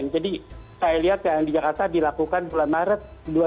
jadi saya lihat yang di jakarta dilakukan bulan maret dua ribu dua puluh satu